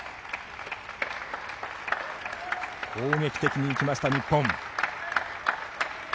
攻撃的に行きました、日本。